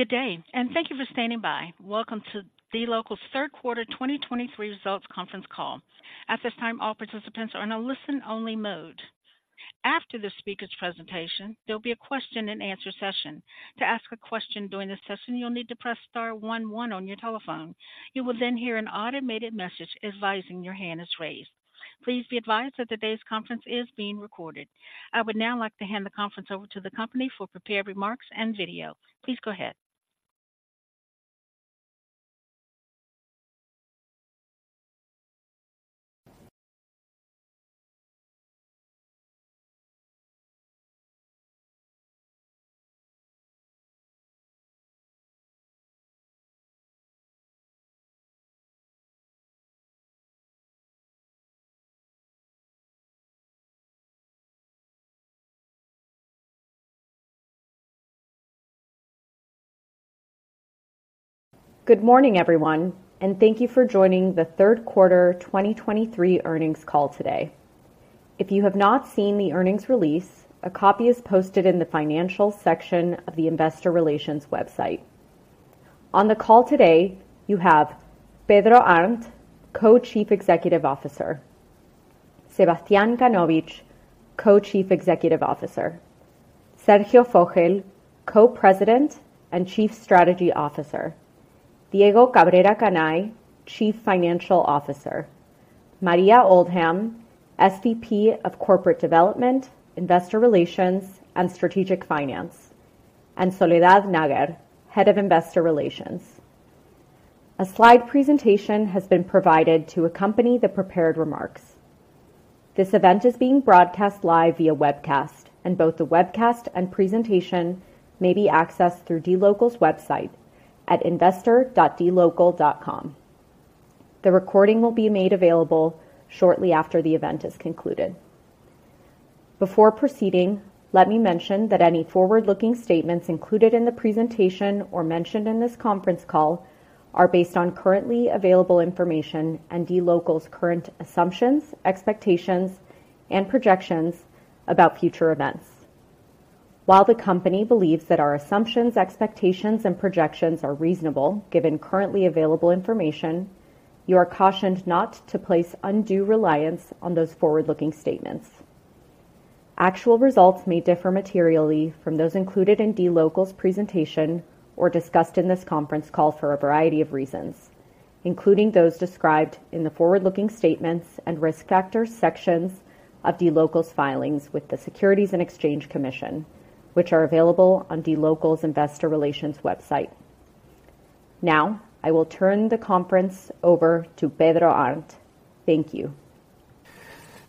Good day, and thank you for standing by. Welcome to dLocal's third quarter 2023 results conference call. At this time, all participants are in a listen-only mode. After the speaker's presentation, there'll be a question and answer session. To ask a question during this session, you'll need to press star one one on your telephone. You will then hear an automated message advising your hand is raised. Please be advised that today's conference is being recorded. I would now like to hand the conference over to the company for prepared remarks and video. Please go ahead. Good morning, everyone, and thank you for joining the third quarter 2023 earnings call today. If you have not seen the earnings release, a copy is posted in the Financial section of the Investor Relations website. On the call today, you have Pedro Arnt, Co-Chief Executive Officer, Sebastián Kanovich, Co-Chief Executive Officer, Sergio Fogel, Co-President and Chief Strategy Officer, Diego Cabrera Canay, Chief Financial Officer, Maria Paulina Silva, SVP of Corporate Development, Investor Relations, and Strategic Finance, and Soledad Nager, Head of Investor Relations. A slide presentation has been provided to accompany the prepared remarks. This event is being broadcast live via webcast, and both the webcast and presentation may be accessed through dLocal's website at investor.dlocal.com. The recording will be made available shortly after the event is concluded. Before proceeding, let me mention that any forward-looking statements included in the presentation or mentioned in this conference call are based on currently available information and dLocal's current assumptions, expectations, and projections about future events. While the Company believes that our assumptions, expectations, and projections are reasonable given currently available information, you are cautioned not to place undue reliance on those forward-looking statements. Actual results may differ materially from those included in dLocal's presentation or discussed in this conference call for a variety of reasons, including those described in the Forward-Looking Statements and Risk Factors sections of dLocal's filings with the Securities and Exchange Commission, which are available on dLocal's Investor Relations website. Now, I will turn the conference over to Pedro Arnt. Thank you.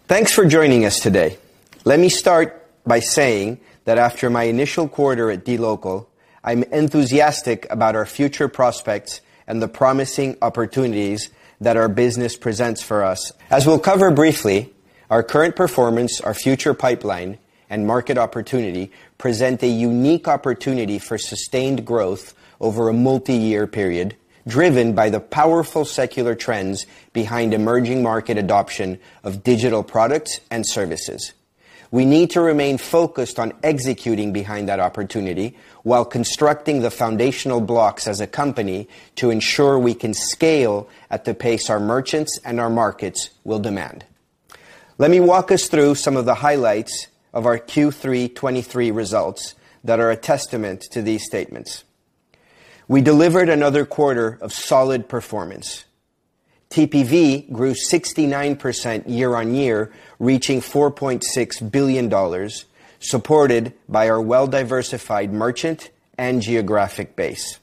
Thanks for joining us today. Let me start by saying that after my initial quarter at dLocal, I'm enthusiastic about our future prospects and the promising opportunities that our business presents for us. As we'll cover briefly, our current performance, our future pipeline, and market opportunity present a unique opportunity for sustained growth over a multi-year period, driven by the powerful secular trends behind emerging market adoption of digital products and services. We need to remain focused on executing behind that opportunity while constructing the foundational blocks as a company to ensure we can scale at the pace our merchants and our markets will demand. Let me walk us through some of the highlights of our Q3 2023 results that are a testament to these statements. We delivered another quarter of solid performance. TPV grew 69% year-over-year, reaching $4.6 billion, supported by our well-diversified merchant and geographic base.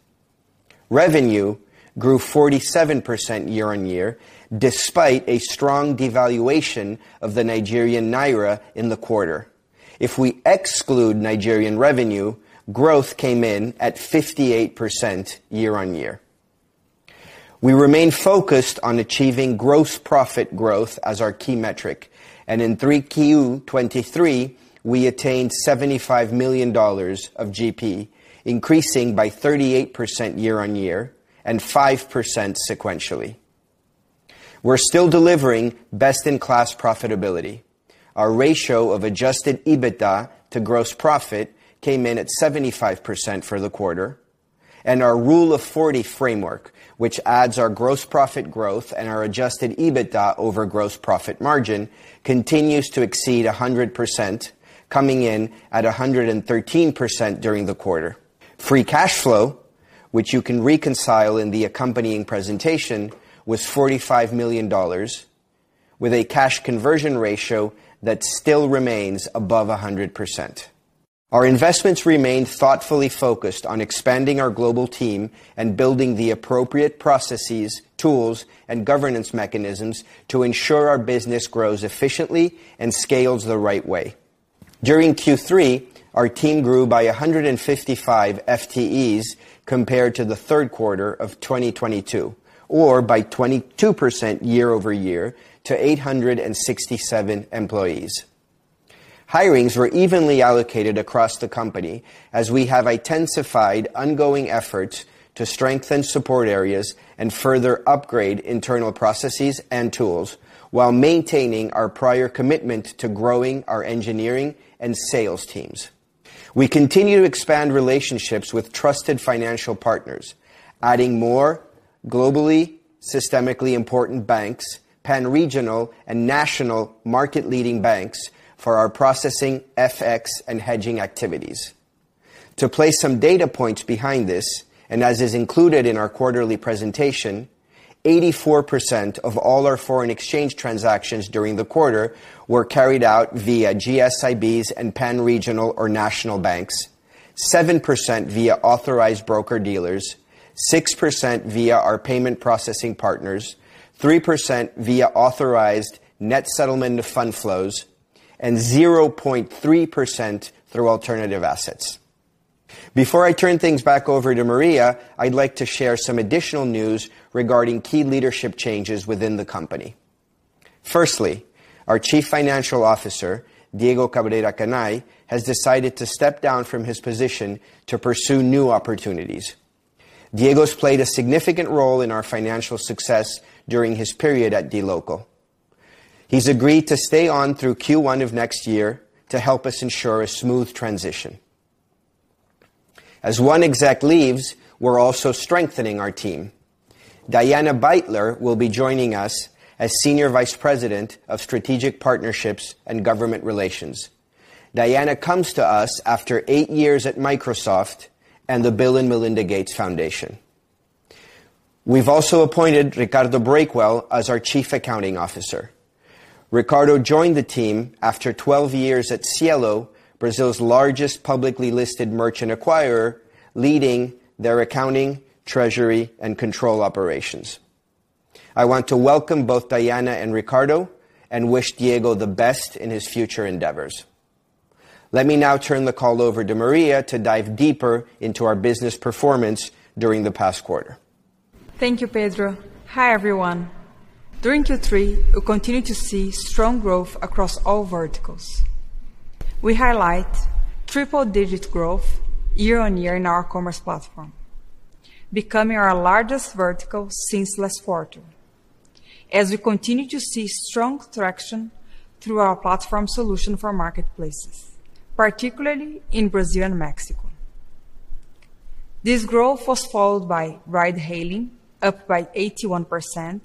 Revenue grew 47% year-over-year, despite a strong devaluation of the Nigerian Naira in the quarter. If we exclude Nigerian revenue, growth came in at 58% year-over-year. We remain focused on achieving gross profit growth as our key metric, and in Q3 2023, we attained $75 million of GP, increasing by 38% year-over-year and 5% sequentially. We're still delivering best-in-class profitability. Our ratio of adjusted EBITDA to gross profit came in at 75% for the quarter, and our Rule of Forty framework, which adds our gross profit growth and our adjusted EBITDA over gross profit margin, continues to exceed 100%, coming in at 113% during the quarter. Free cash flow, which you can reconcile in the accompanying presentation, was $45 million, with a cash conversion ratio that still remains above 100%. Our investments remain thoughtfully focused on expanding our global team and building the appropriate processes, tools, and governance mechanisms to ensure our business grows efficiently and scales the right way. During Q3, our team grew by 155 FTEs compared to the third quarter of 2022, or by 22% year over year to 867 employees. Hirings were evenly allocated across the company as we have intensified ongoing efforts to strengthen support areas and further upgrade internal processes and tools while maintaining our prior commitment to growing our engineering and sales teams.... We continue to expand relationships with trusted financial partners, adding more globally systemically important banks, pan-regional and national market-leading banks for our processing, FX, and hedging activities. To place some data points behind this, and as is included in our quarterly presentation, 84% of all our foreign exchange transactions during the quarter were carried out via GSIBs and pan-regional or national banks. 7% via authorized broker-dealers, 6% via our payment processing partners, 3% via authorized net settlement to fund flows, and 0.3% through alternative assets. Before I turn things back over to Maria, I'd like to share some additional news regarding key leadership changes within the company. Firstly, our Chief Financial Officer, Diego Cabrera Canay, has decided to step down from his position to pursue new opportunities. Diego's played a significant role in our financial success during his period at dLocal. He's agreed to stay on through Q1 of next year to help us ensure a smooth transition. As one exec leaves, we're also strengthening our team. Diana Beitler will be joining us as Senior Vice President of Strategic Partnerships and Government Relations. Diana comes to us after eight years at Microsoft and the Bill & Melinda Gates Foundation. We've also appointed Ricardo Schnabel as our Chief Accounting Officer. Ricardo joined the team after 12 years at Cielo, Brazil's largest publicly listed merchant acquirer, leading their accounting, treasury, and control operations. I want to welcome both Diana and Ricardo and wish Diego the best in his future endeavors. Let me now turn the call over to Maria to dive deeper into our business performance during the past quarter. Thank you, Pedro. Hi, everyone. During Q3, we continued to see strong growth across all verticals. We highlight triple-digit growth year-on-year in our commerce platform, becoming our largest vertical since last quarter, as we continue to see strong traction through our platform solution for marketplaces, particularly in Brazil and Mexico. This growth was followed by ride-hailing, up by 81%,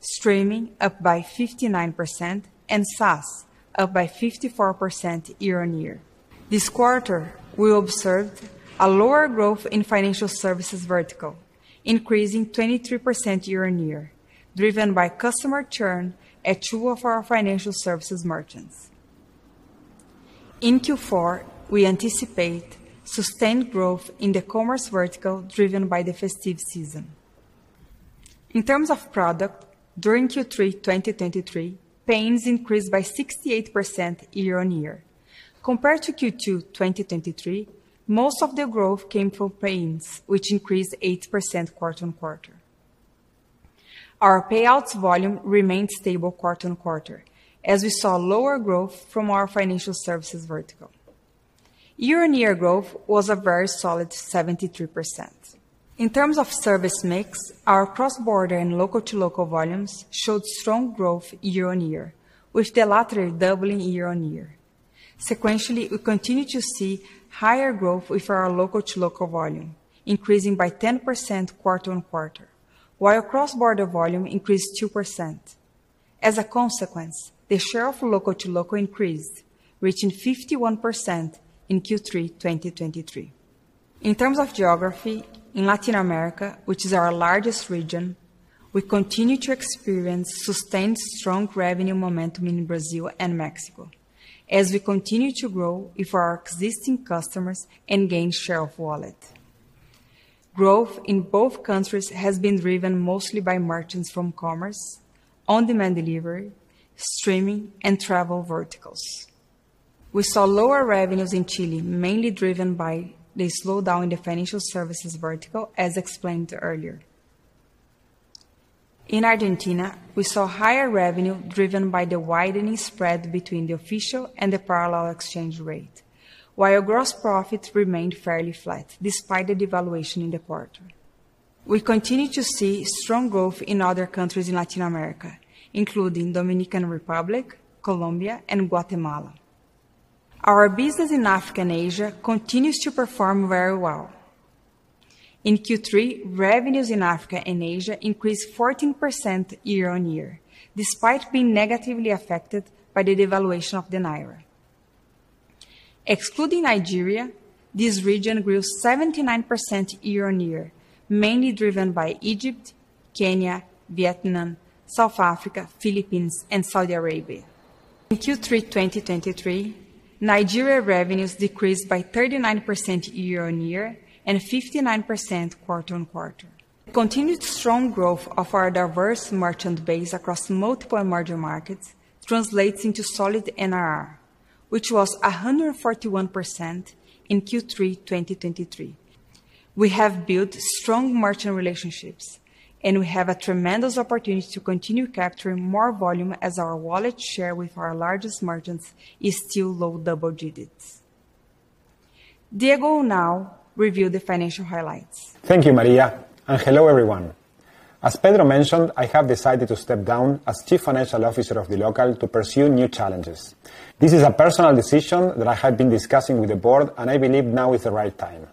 streaming, up by 59%, and SaaS, up by 54% year-on-year. This quarter, we observed a lower growth in financial services vertical, increasing 23% year-on-year, driven by customer churn at two of our financial services merchants. In Q4, we anticipate sustained growth in the commerce vertical, driven by the festive season. In terms of product, during Q3 2023, payments increased by 68% year-on-year. Compared to Q2 2023, most of the growth came from payments, which increased 8% quarter-on-quarter. Our payouts volume remained stable quarter-on-quarter, as we saw lower growth from our financial services vertical. Year-on-year growth was a very solid 73%. In terms of service mix, our cross-border and local-to-local volumes showed strong growth year-on-year, with the latter doubling year-on-year. Sequentially, we continue to see higher growth with our local-to-local volume, increasing by 10% quarter-on-quarter, while cross-border volume increased 2%. As a consequence, the share of local-to-local increased, reaching 51% in Q3 2023. In terms of geography, in Latin America, which is our largest region, we continue to experience sustained strong revenue momentum in Brazil and Mexico as we continue to grow with our existing customers and gain share of wallet. Growth in both countries has been driven mostly by merchants from commerce, on-demand delivery, streaming, and travel verticals. We saw lower revenues in Chile, mainly driven by the slowdown in the financial services vertical, as explained earlier. In Argentina, we saw higher revenue driven by the widening spread between the official and the parallel exchange rate, while gross profit remained fairly flat despite the devaluation in the quarter. We continue to see strong growth in other countries in Latin America, including Dominican Republic, Colombia, and Guatemala. Our business in Africa and Asia continues to perform very well. In Q3, revenues in Africa and Asia increased 14% year-on-year, despite being negatively affected by the devaluation of the Naira. Excluding Nigeria, this region grew 79% year-on-year, mainly driven by Egypt, Kenya, Vietnam, South Africa, Philippines, and Saudi Arabia. In Q3 2023, Nigeria revenues decreased by 39% year-on-year and 59% quarter-on-quarter. Continued strong growth of our diverse merchant base across multiple emerging markets translates into solid NRR, which was 141% in Q3 2023. We have built strong merchant relationships, and we have a tremendous opportunity to continue capturing more volume as our wallet share with our largest merchants is still low double digits. Diego will now review the financial highlights. Thank you, Maria, and hello, everyone. ...As Pedro mentioned, I have decided to step down as Chief Financial Officer of dLocal to pursue new challenges. This is a personal decision that I have been discussing with the board, and I believe now is the right time.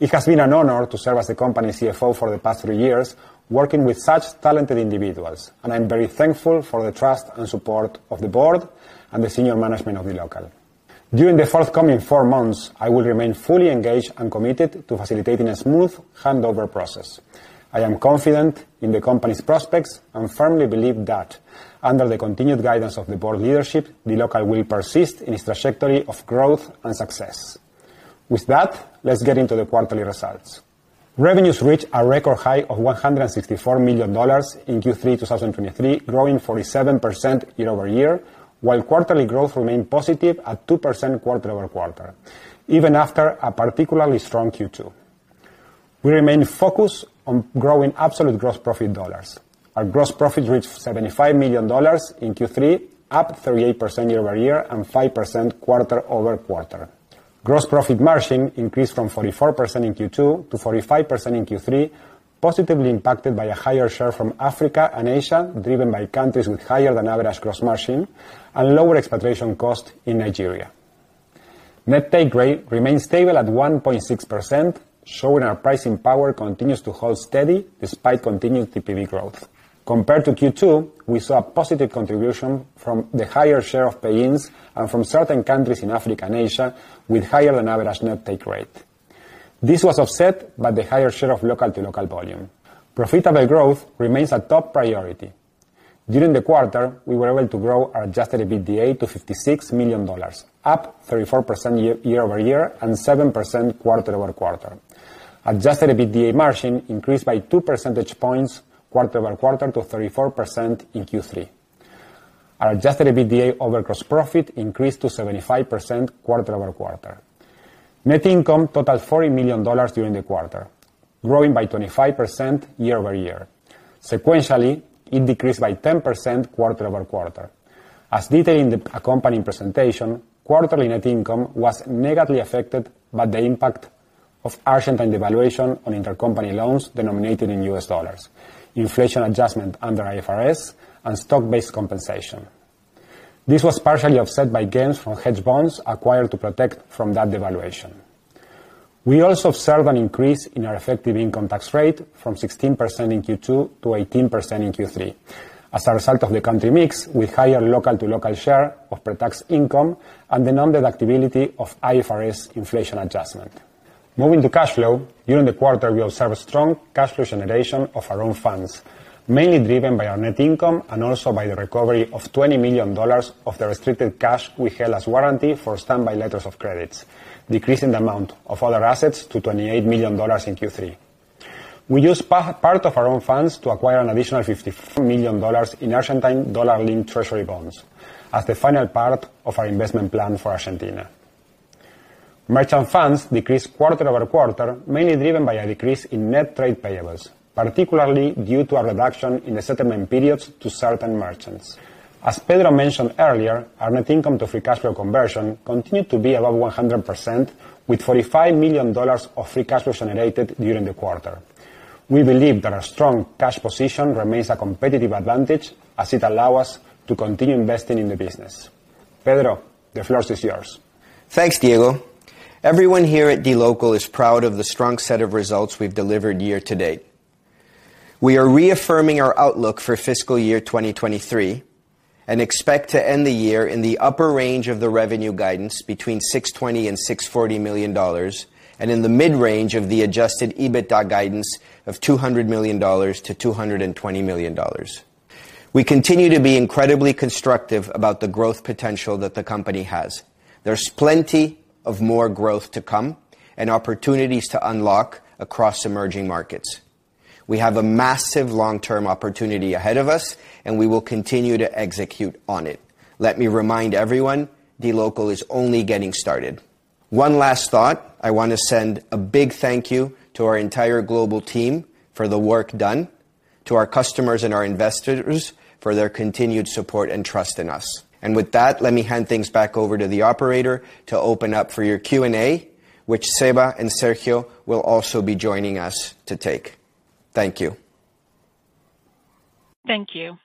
It has been an honor to serve as the company's CFO for the past three years, working with such talented individuals, and I'm very thankful for the trust and support of the board and the senior management of dLocal. During the forthcoming four months, I will remain fully engaged and committed to facilitating a smooth handover process. I am confident in the company's prospects and firmly believe that under the continued guidance of the board leadership, dLocal will persist in its trajectory of growth and success. With that, let's get into the quarterly results. Revenues reached a record high of $164 million in Q3 2023, growing 47% year-over-year, while quarterly growth remained positive at 2% quarter-over-quarter, even after a particularly strong Q2. We remain focused on growing absolute gross profit dollars. Our gross profit reached $75 million in Q3, up 38% year-over-year and 5% quarter-over-quarter. Gross profit margin increased from 44% in Q2 to 45% in Q3, positively impacted by a higher share from Africa and Asia, driven by countries with higher than average gross margin and lower expatriation costs in Nigeria. Net take rate remains stable at 1.6%, showing our pricing power continues to hold steady despite continued TPV growth. Compared to Q2, we saw a positive contribution from the higher share of pay-ins and from certain countries in Africa and Asia with higher than average net take rate. This was offset by the higher share of local-to-local volume. Profitable growth remains a top priority. During the quarter, we were able to grow our Adjusted EBITDA to $56 million, up 34% year-over-year and 7% quarter-over-quarter. Adjusted EBITDA margin increased by two percentage points quarter-over-quarter to 34% in Q3. Our Adjusted EBITDA over gross profit increased to 75% quarter-over-quarter. Net income totaled $40 million during the quarter, growing by 25% year-over-year. Sequentially, it decreased by 10% quarter-over-quarter. As detailed in the accompanying presentation, quarterly net income was negatively affected by the impact of Argentine devaluation on intercompany loans denominated in U.S. dollars, inflation adjustment under IFRS, and stock-based compensation. This was partially offset by gains from hedged bonds acquired to protect from that devaluation. We also observed an increase in our effective income tax rate from 16% in Q2 to 18% in Q3, as a result of the country mix, with higher local-to-local share of pretax income and the non-deductibility of IFRS inflation adjustment. Moving to cash flow, during the quarter, we observed strong cash flow generation of our own funds, mainly driven by our net income and also by the recovery of $20 million of the restricted cash we held as warranty for standby letters of credit, decreasing the amount of other assets to $28 million in Q3. We used part of our own funds to acquire an additional $54 million in Argentine dollar-linked treasury bonds as the final part of our investment plan for Argentina. Merchant funds decreased quarter-over-quarter, mainly driven by a decrease in net trade payables, particularly due to a reduction in the settlement periods to certain merchants. As Pedro mentioned earlier, our net income to free cash flow conversion continued to be above 100%, with $45 million of free cash flow generated during the quarter. We believe that our strong cash position remains a competitive advantage as it allow us to continue investing in the business. Pedro, the floor is yours. Thanks, Diego. Everyone here at dLocal is proud of the strong set of results we've delivered year to date. We are reaffirming our outlook for fiscal year 2023 and expect to end the year in the upper range of the revenue guidance between $620 million and $640 million, and in the mid-range of the adjusted EBITDA guidance of $200 million to $220 million. We continue to be incredibly constructive about the growth potential that the company has. There's plenty of more growth to come and opportunities to unlock across emerging markets. We have a massive long-term opportunity ahead of us, and we will continue to execute on it. Let me remind everyone, dLocal is only getting started. One last thought. I want to send a big thank you to our entire global team for the work done, to our customers and our investors for their continued support and trust in us. With that, let me hand things back over to the operator to open up for your Q&A, which Seba and Sergio will also be joining us to take. Thank you. Thank you.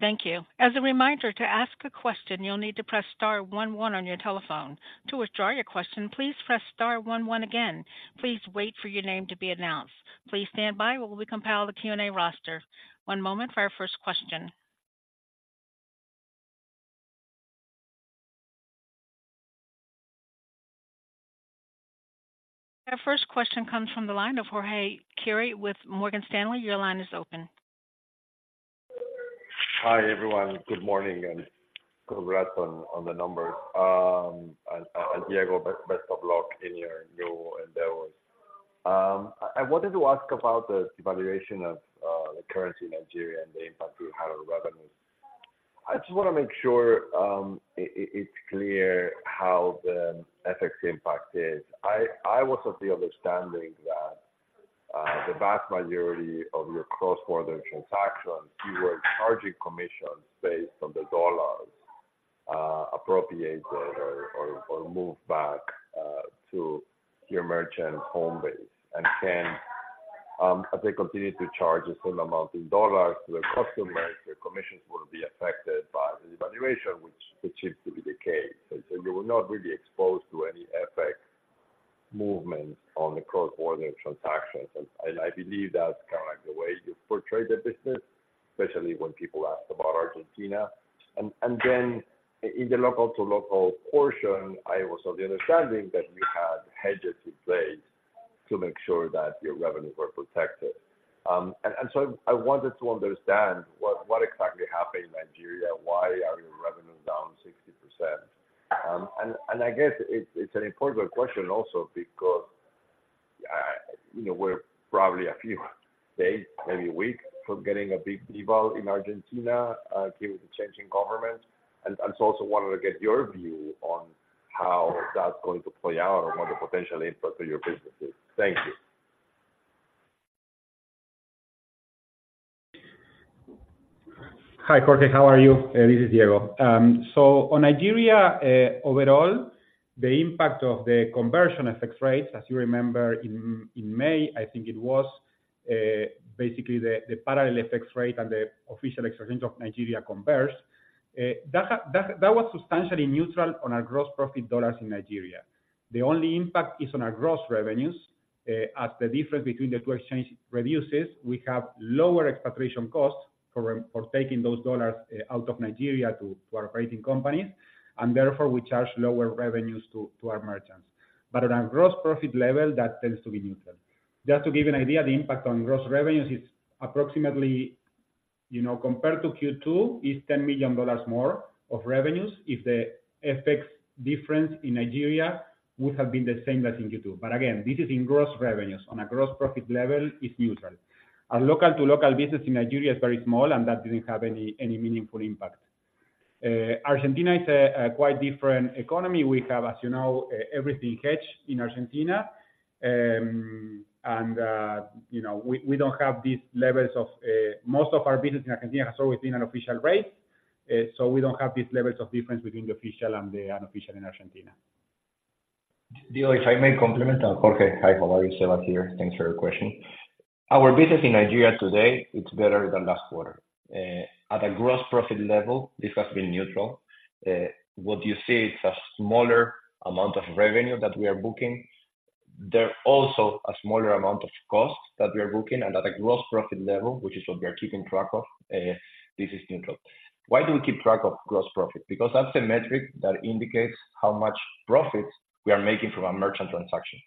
Thank you. As a reminder, to ask a question, you'll need to press star one one on your telephone. To withdraw your question, please press star one one again. Please wait for your name to be announced. Please stand by while we compile the Q&A roster. One moment for our first question. Our first question comes from the line of Jorge Kuri with Morgan Stanley. Your line is open. Hi, everyone. Good morning, and congrats on the numbers. And Diego, best of luck in your new endeavors. I wanted to ask about the devaluation of the currency in Nigeria and the impact it had on revenues. I just want to make sure it's clear how the FX impact is. I was of the understanding that the vast majority of your cross-border transactions, you were charging commissions based on the dollars... repatriate that or move back to your merchant home base. And as they continue to charge a certain amount in dollars to their customers, their commissions will be affected by the devaluation, which seems to be the case. So you were not really exposed to any FX movements on the cross-border transactions. I believe that's kind of like the way you portray the business, especially when people ask about Argentina. And then in the local-to-local portion, I was of the understanding that you had hedges in place to make sure that your revenues were protected. So I wanted to understand what exactly happened in Nigeria, why are your revenues down 60%? I guess it's an important question also because, you know, we're probably a few days, maybe a week, from getting a big deval in Argentina, due to the change in government. So I also wanted to get your view on how that's going to play out or what the potential impact to your business is. Thank you. Hi, Jorge. How are you? This is Diego. So on Nigeria, overall, the impact of the conversion FX rates, as you remember in, in May, I think it was, basically the parallel FX rate and the official exchange rate of Nigeria compares. That was substantially neutral on our gross profit dollars in Nigeria. The only impact is on our gross revenues. As the difference between the two exchange reduces, we have lower expatriation costs for taking those dollars out of Nigeria to our operating company, and therefore, we charge lower revenues to our merchants. But at a gross profit level, that tends to be neutral. Just to give you an idea, the impact on gross revenues is approximately, you know, compared to Q2, $10 million more of revenues if the FX difference in Nigeria would have been the same as in Q2. But again, this is in gross revenues. On a gross profit level, it's neutral. Our local-to-local business in Nigeria is very small, and that didn't have any meaningful impact. Argentina is a quite different economy. We have, as you know, everything hedged in Argentina. And, you know, we, we don't have these levels of... Most of our business in Argentina has always been an official rate, so we don't have these levels of difference between the official and the unofficial in Argentina. Diego, if I may complement. Jorge, hi, how are you? Sebas here. Thanks for your question. Our business in Nigeria today, it's better than last quarter. At a gross profit level, this has been neutral. What you see is a smaller amount of revenue that we are booking. There are also a smaller amount of costs that we are booking, and at a gross profit level, which is what we are keeping track of, this is neutral. Why do we keep track of gross profit? Because that's a metric that indicates how much profits we are making from a merchant transaction.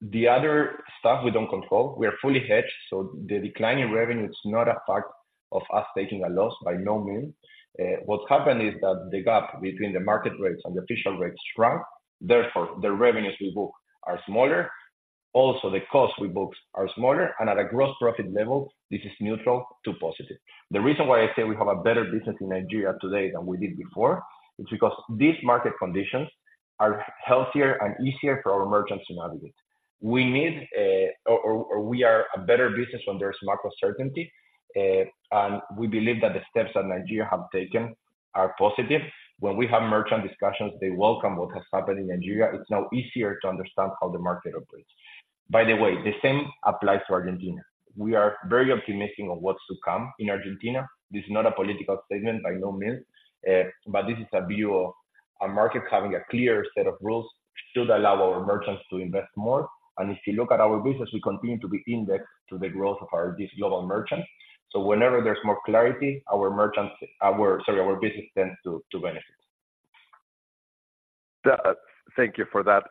The other stuff we don't control, we are fully hedged, so the decline in revenue is not a fact of us taking a loss by no means. What happened is that the gap between the market rates and the official rates shrunk, therefore, the revenues we book are smaller. Also, the costs we book are smaller, and at a gross profit level, this is neutral to positive. The reason why I say we have a better business in Nigeria today than we did before is because these market conditions are healthier and easier for our merchants to navigate. We are a better business when there's macro certainty, and we believe that the steps that Nigeria have taken are positive. When we have merchant discussions, they welcome what has happened in Nigeria. It's now easier to understand how the market operates. By the way, the same applies to Argentina. We are very optimistic of what's to come in Argentina. This is not a political statement, by no means, but this is a view of a market having a clear set of rules should allow our merchants to invest more. And if you look at our business, we continue to be indexed to the growth of our, these global merchants. So whenever there's more clarity, our merchants, our--sorry, our business tends to, to benefit. Thank you for that.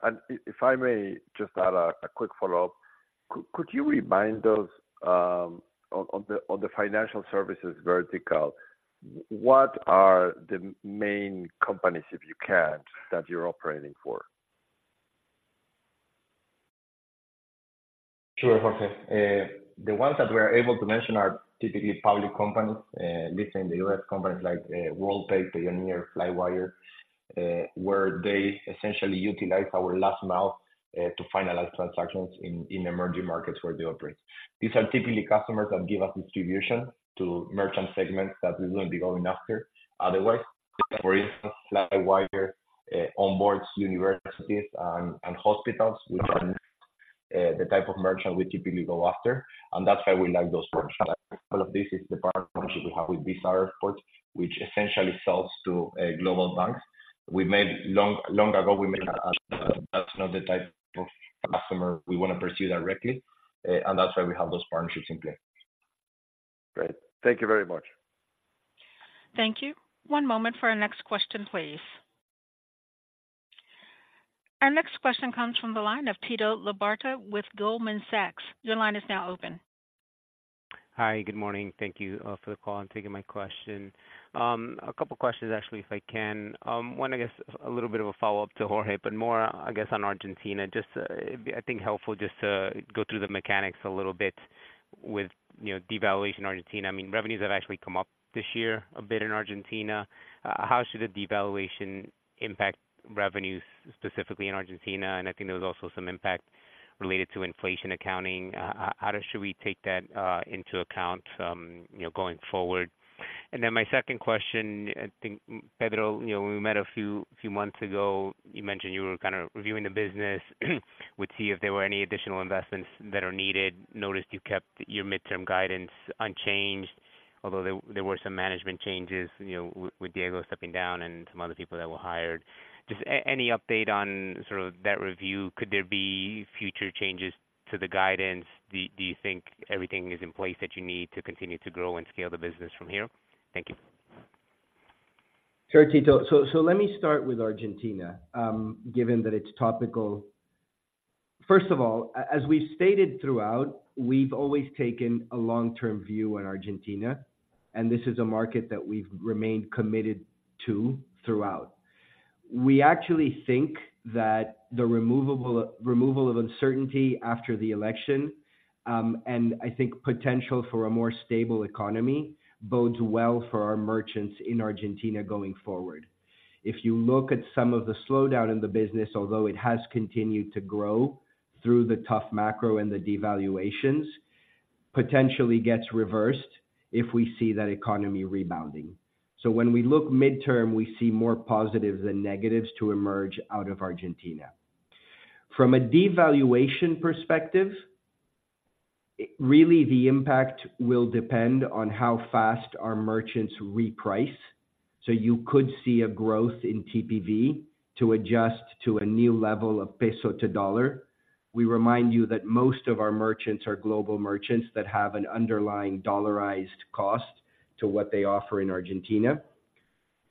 If I may just add a quick follow-up. Could you remind us, on the financial services vertical, what are the main companies, if you can, that you're operating for? Sure, Jorge. The ones that we are able to mention are typically public companies, listed in the U.S., companies like Worldpay, Payoneer, Flywire, where they essentially utilize our last mile to finalize transactions in emerging markets where they operate. These are typically customers that give us distribution to merchant segments that we wouldn't be going after otherwise. For instance, Flywire onboards universities and hospitals, which are not the type of merchant we typically go after, and that's why we like those partnerships. All of this is the partnership we have with Visa Earthport, which essentially sells to global banks. We made long, long ago, we made that's not the type of customer we want to pursue directly, and that's why we have those partnerships in place. Great. Thank you very much. Thank you. One moment for our next question, please. Our next question comes from the line of Tito Labarta with Goldman Sachs. Your line is now open. Hi, good morning. Thank you for the call and taking my question. A couple questions, actually, if I can. One, I guess, a little bit of a follow-up to Jorge, but more, I guess, on Argentina. Just, it'd be, I think, helpful just to go through the mechanics a little bit.... with, you know, devaluation in Argentina, I mean, revenues have actually come up this year a bit in Argentina. How should the devaluation impact revenues, specifically in Argentina? And I think there was also some impact related to inflation accounting. How should we take that into account, you know, going forward? And then my second question, I think, Pedro, you know, when we met a few months ago, you mentioned you were kind of reviewing the business, would see if there were any additional investments that are needed. Noticed you kept your midterm guidance unchanged, although there were some management changes, you know, with Diego stepping down and some other people that were hired. Just any update on sort of that review? Could there be future changes to the guidance? Do you think everything is in place that you need to continue to grow and scale the business from here? Thank you. Sure, Tito. So let me start with Argentina, given that it's topical. First of all, as we've stated throughout, we've always taken a long-term view on Argentina, and this is a market that we've remained committed to throughout. We actually think that the removal of uncertainty after the election, and I think potential for a more stable economy, bodes well for our merchants in Argentina going forward. If you look at some of the slowdown in the business, although it has continued to grow through the tough macro and the devaluations, potentially gets reversed if we see that economy rebounding. So when we look midterm, we see more positives than negatives to emerge out of Argentina. From a devaluation perspective, really, the impact will depend on how fast our merchants reprice. So you could see a growth in TPV to adjust to a new level of peso to dollar. We remind you that most of our merchants are global merchants that have an underlying dollarized cost to what they offer in Argentina.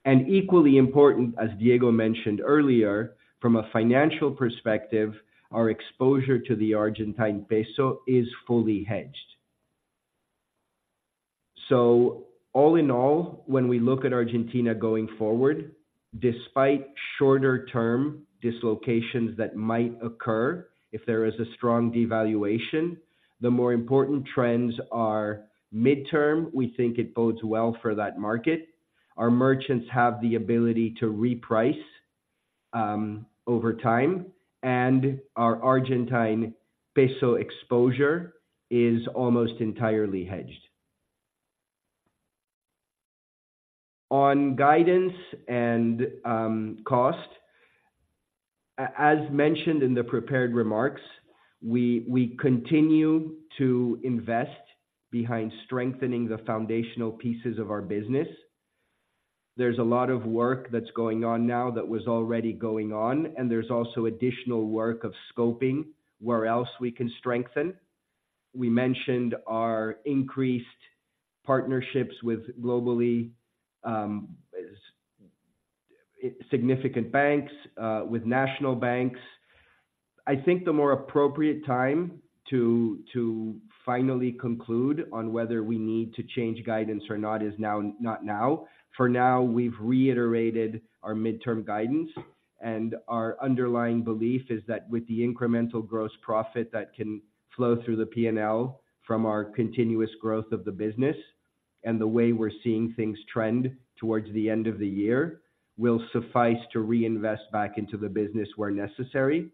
And equally important, as Diego mentioned earlier, from a financial perspective, our exposure to the Argentine peso is fully hedged. So all in all, when we look at Argentina going forward, despite shorter term dislocations that might occur if there is a strong devaluation, the more important trends are midterm. We think it bodes well for that market. Our merchants have the ability to reprice over time, and our Argentine peso exposure is almost entirely hedged. On guidance and cost, as mentioned in the prepared remarks, we continue to invest behind strengthening the foundational pieces of our business. There's a lot of work that's going on now that was already going on, and there's also additional work of scoping, where else we can strengthen. We mentioned our increased partnerships with globally significant banks with national banks. I think the more appropriate time to finally conclude on whether we need to change guidance or not is now, not now. For now, we've reiterated our midterm guidance, and our underlying belief is that with the incremental gross profit that can flow through the P&L from our continuous growth of the business, and the way we're seeing things trend towards the end of the year, will suffice to reinvest back into the business where necessary.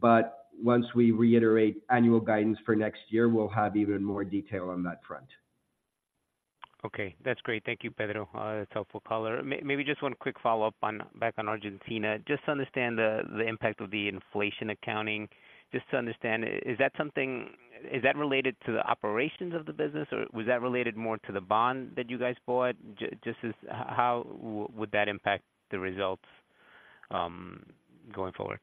But once we reiterate annual guidance for next year, we'll have even more detail on that front. Okay, that's great. Thank you, Pedro. That's helpful color. Maybe just one quick follow-up on back on Argentina. Just to understand the impact of the inflation accounting. Just to understand, is that something—is that related to the operations of the business, or was that related more to the bond that you guys bought? Just how would that impact the results going forward?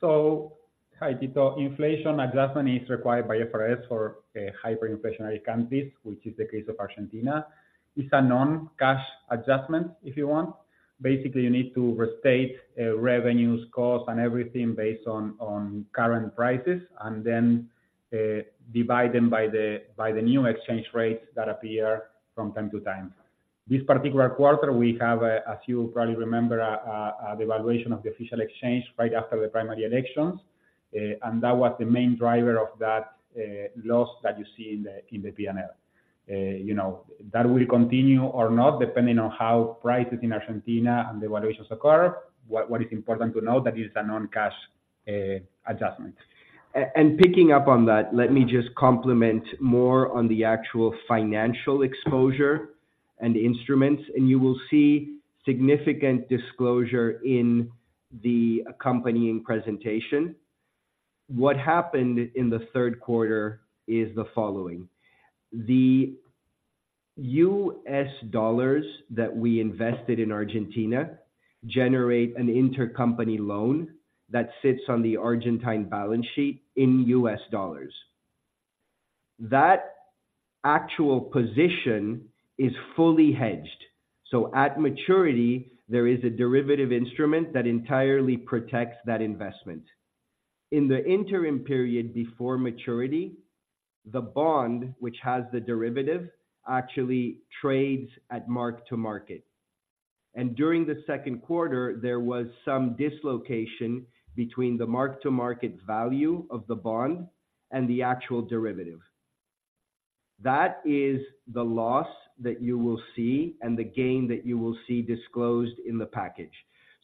So hi, Tito. Inflation adjustment is required by IFRS for hyperinflationary countries, which is the case of Argentina. It's a non-cash adjustment, if you want. Basically, you need to restate revenues, costs, and everything based on current prices, and then divide them by the new exchange rates that appear from time to time. This particular quarter, we have, as you probably remember, a devaluation of the official exchange rate after the primary elections, and that was the main driver of that loss that you see in the P&L. You know, that will continue or not, depending on how prices in Argentina and devaluations occur. What is important to note that it's a non-cash adjustment. Picking up on that, let me just comment more on the actual financial exposure and instruments, and you will see significant disclosure in the accompanying presentation. What happened in the third quarter is the following: the U.S. dollars that we invested in Argentina generate an intercompany loan that sits on the Argentine balance sheet in U.S. dollars. That actual position is fully hedged. So at maturity, there is a derivative instrument that entirely protects that investment. In the interim period before maturity, the bond, which has the derivative, actually trades at mark-to-market. During the second quarter, there was some dislocation between the mark-to-market value of the bond and the actual derivative. That is the loss that you will see and the gain that you will see disclosed in the package.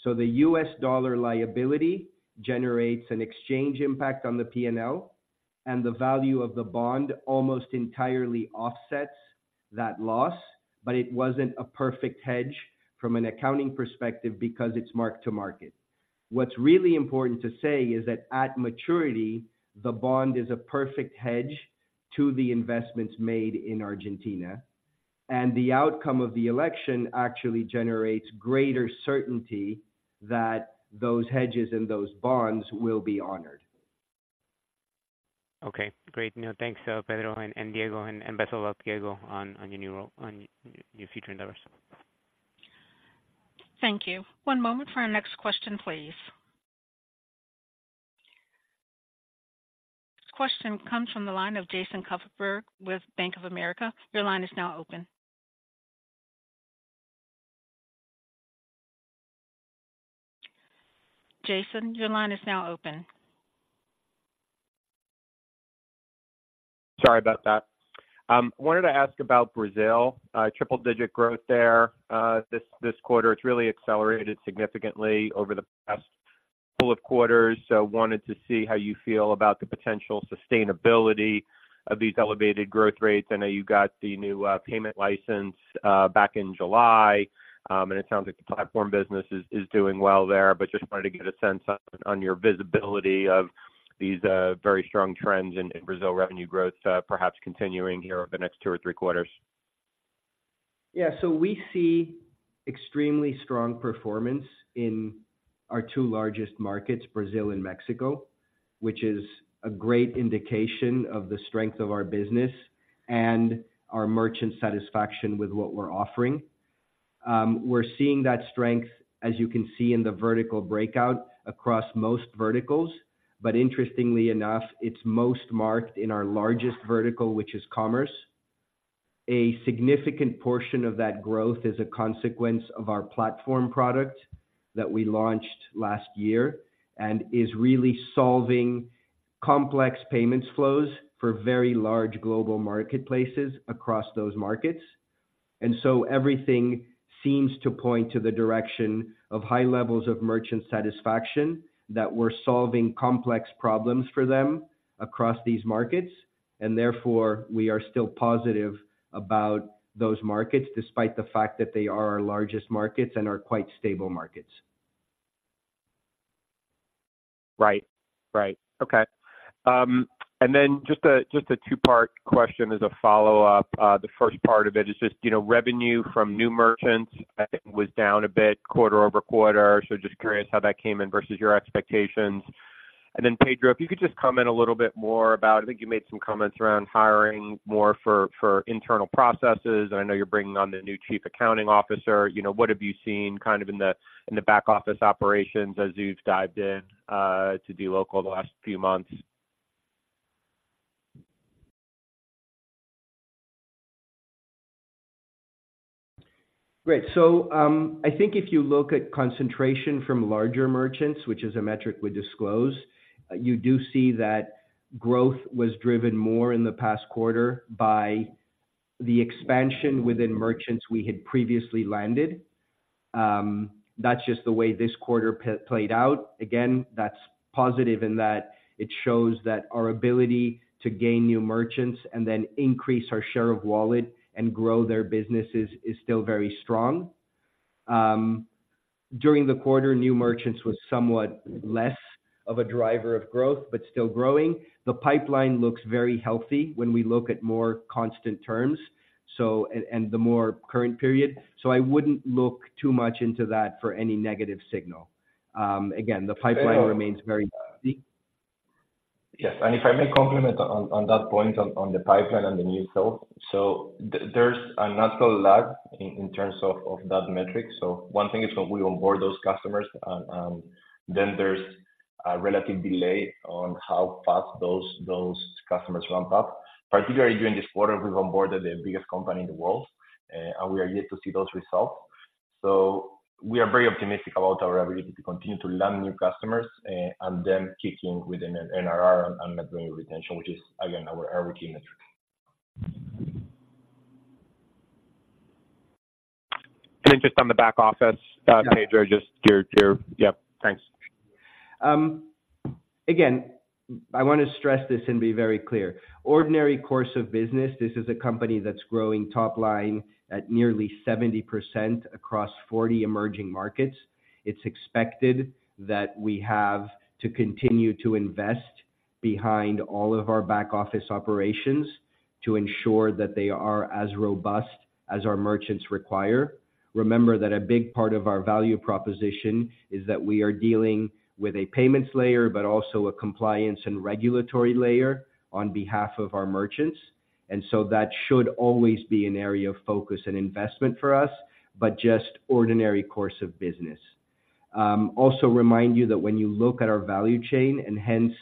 So the US dollar liability generates an exchange impact on the PNL, and the value of the bond almost entirely offsets that loss, but it wasn't a perfect hedge from an accounting perspective because it's mark-to-market. What's really important to say is that at maturity, the bond is a perfect hedge to the investments made in Argentina, and the outcome of the election actually generates greater certainty that those hedges and those bonds will be honored. Okay, great. No, thanks, Pedro and Diego, and best of luck, Diego, on your new role, on your future endeavors. Thank you. One moment for our next question, please. This question comes from the line of Jason Kupferberg with Bank of America. Your line is now open. Jason, your line is now open. Sorry about that. I wanted to ask about Brazil, triple-digit growth there, this quarter. It's really accelerated significantly over the past couple of quarters. So I wanted to see how you feel about the potential sustainability of these elevated growth rates. I know you got the new payment license back in July, and it sounds like the platform business is doing well there, but just wanted to get a sense on your visibility of these very strong trends in Brazil revenue growth, perhaps continuing here over the next two or three quarters. Yeah. So we see extremely strong performance in our two largest markets, Brazil and Mexico, which is a great indication of the strength of our business and our merchant satisfaction with what we're offering. We're seeing that strength, as you can see in the vertical breakout, across most verticals, but interestingly enough, it's most marked in our largest vertical, which is commerce. A significant portion of that growth is a consequence of our platform product that we launched last year and is really solving complex payments flows for very large global marketplaces across those markets. And so everything seems to point to the direction of high levels of merchant satisfaction, that we're solving complex problems for them across these markets, and therefore, we are still positive about those markets, despite the fact that they are our largest markets and are quite stable markets. Right. Right. Okay. And then just a, just a two-part question as a follow-up. The first part of it is just, you know, revenue from new merchants, I think, was down a bit quarter-over-quarter. So just curious how that came in versus your expectations. And then, Pedro, if you could just comment a little bit more about... I think you made some comments around hiring more for, for internal processes, and I know you're bringing on the new chief accounting officer. You know, what have you seen kind of in the, in the back office operations as you've dived in to dLocal the last few months? Great. So, I think if you look at concentration from larger merchants, which is a metric we disclose, you do see that growth was driven more in the past quarter by the expansion within merchants we had previously landed. That's just the way this quarter played out. Again, that's positive in that it shows that our ability to gain new merchants and then increase our share of wallet and grow their businesses is still very strong. During the quarter, new merchants was somewhat less of a driver of growth, but still growing. The pipeline looks very healthy when we look at more constant terms, so, and, and the more current period. So I wouldn't look too much into that for any negative signal. Again, the pipeline remains very healthy. Yes, and if I may comment on that point, on the pipeline and the new sales. So there's a natural lag in terms of that metric. So one thing is when we onboard those customers, then there's a relative delay on how fast those customers ramp up. Particularly during this quarter, we've onboarded the biggest company in the world, and we are yet to see those results. So we are very optimistic about our ability to continue to land new customers, and then kicking within an NRR on net revenue retention, which is again, our key metric. And then just on the back office, Yeah... Pedro, just your... Yep, thanks. Again, I want to stress this and be very clear. Ordinary course of business, this is a company that's growing top line at nearly 70% across 40 emerging markets. It's expected that we have to continue to invest behind all of our back office operations to ensure that they are as robust as our merchants require. Remember that a big part of our value proposition is that we are dealing with a payments layer, but also a compliance and regulatory layer on behalf of our merchants, and so that should always be an area of focus and investment for us, but just ordinary course of business. Also remind you that when you look at our value chain, and hence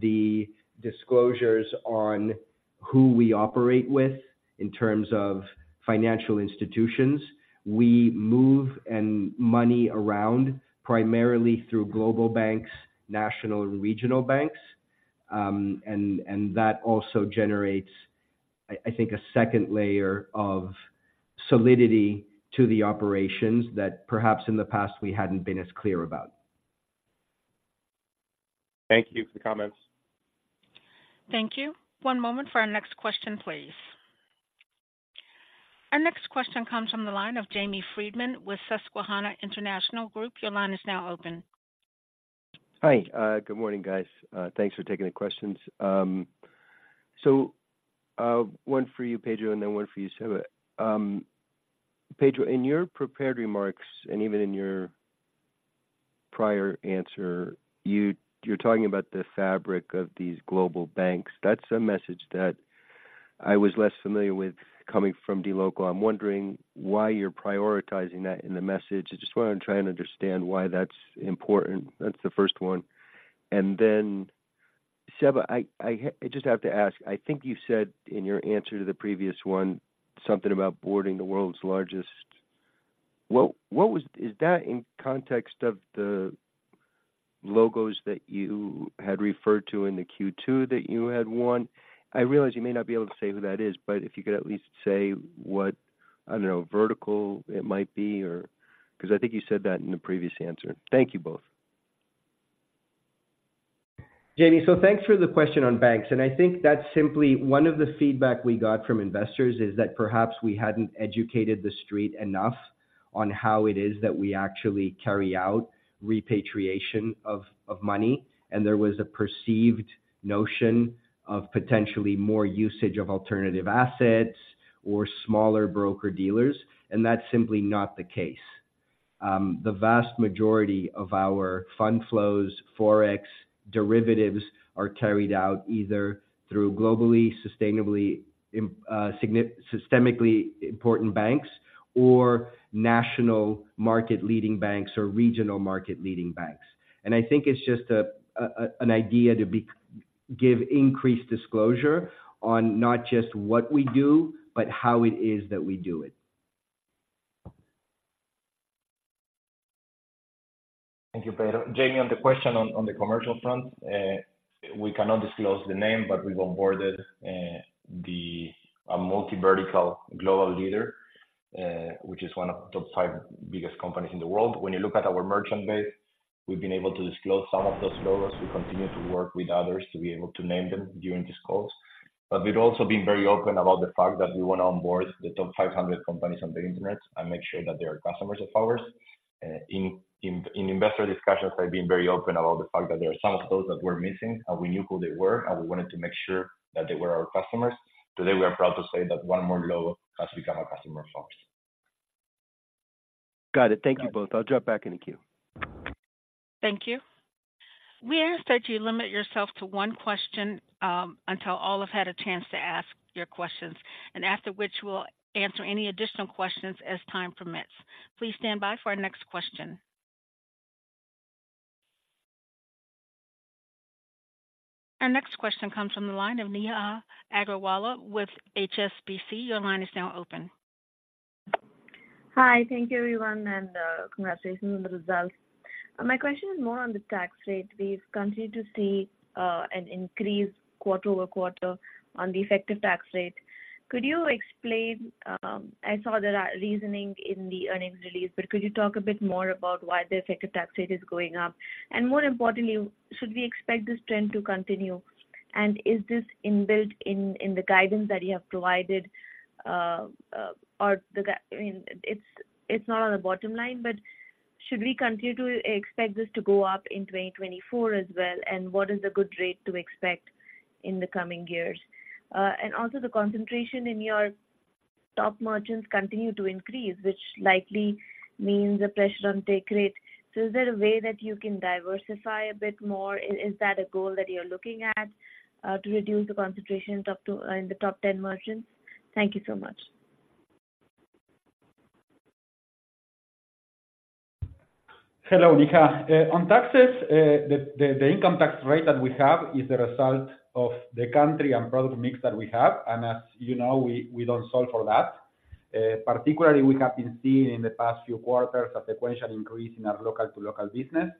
the disclosures on who we operate with in terms of financial institutions, we move and money around primarily through global banks, national, and regional banks. And that also generates, I think, a second layer of solidity to the operations that perhaps in the past we hadn't been as clear about. Thank you for the comments. Thank you. One moment for our next question, please. Our next question comes from the line of Jamie Friedman with Susquehanna International Group. Your line is now open. Hi. Good morning, guys. Thanks for taking the questions. So, one for you, Pedro, and then one for you, Seba. Pedro, in your prepared remarks, and even in your prior answer, you're talking about the fabric of these global banks. That's a message that I was less familiar with coming from dLocal. I'm wondering why you're prioritizing that in the message. I just want to try and understand why that's important. That's the first one. And then, Seba, I just have to ask, I think you said in your answer to the previous one, something about boarding the world's largest... What was that in context of the logos that you had referred to in the Q2 that you had won? I realize you may not be able to say who that is, but if you could at least say what, I don't know, vertical it might be or... Because I think you said that in the previous answer. Thank you both. Jamie, so thanks for the question on banks, and I think that's simply one of the feedback we got from investors, is that perhaps we hadn't educated the street enough on how it is that we actually carry out repatriation of money. And there was a perceived notion of potentially more usage of alternative assets or smaller broker-dealers, and that's simply not the case. The vast majority of our fund flows, forex, derivatives, are carried out either through globally systemically important banks or national market-leading banks or regional market-leading banks. And I think it's just an idea to give increased disclosure on not just what we do, but how it is that we do it. Thank you, Pedro. Jamie, on the question on the commercial front, we cannot disclose the name, but we've onboarded a multivertical global leader, which is one of the top 5 biggest companies in the world. When you look at our merchant base, we've been able to disclose some of those logos. We continue to work with others to be able to name them during these calls. But we've also been very open about the fact that we want to onboard the top 500 companies on the internet and make sure that they are customers of ours. In investor discussions, I've been very open about the fact that there are some of those that we're missing, and we knew who they were, and we wanted to make sure that they were our customers. Today, we are proud to say that one more logo has become a customer of ours. Got it. Thank you both. I'll drop back in the queue. Thank you. We ask that you limit yourself to one question until all have had a chance to ask your questions, and after which we'll answer any additional questions as time permits. Please stand by for our next question. Our next question comes from the line of Neha Agarwala with HSBC. Your line is now open. Hi. Thank you, everyone, and congratulations on the results. My question is more on the tax rate. We've continued to see an increase quarter-over-quarter on the effective tax rate. Could you explain... I saw the reasoning in the earnings release, but could you talk a bit more about why the effective tax rate is going up? And more importantly, should we expect this trend to continue, and is this inbuilt in the guidance that you have provided, or the gu- I mean, it's, it's not on the bottom line, but should we continue to expect this to go up in 2024 as well? And what is a good rate to expect in the coming years? And also, the concentration in your top merchants continue to increase, which likely means a pressure on take rate. So is there a way that you can diversify a bit more? Is that a goal that you're looking at, to reduce the concentration of top two in the top ten merchants? Thank you so much. Hello, Neha. On taxes, the income tax rate that we have is the result of the country and product mix that we have. And as you know, we don't solve for that. Particularly, we have been seeing in the past few quarters a sequential increase in our local-to-local business,